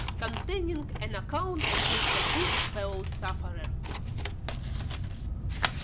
_Containing an account of Mr. Booth's fellow sufferers.